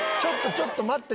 ちょっと待って。